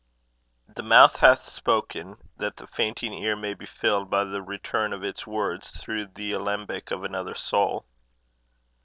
The mouth hath spoken, that the fainting ear may be filled by the return of its words through the alembic of another soul.